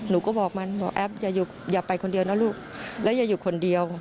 น้ำมากตลอด